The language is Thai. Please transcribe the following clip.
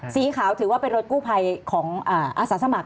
สีขาวถือว่าเป็นรถกู้ภัยของอาสาสมัคร